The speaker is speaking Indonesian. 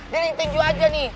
diri tinggi aja nih